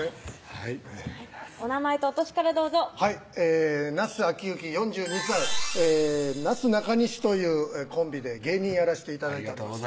はいお名前とお歳からどうぞはい那須晃行４２歳なすなかにしというコンビで芸人やらして頂いてます